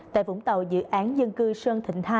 tại vũng tàu dự án dân cư sơn thịnh hai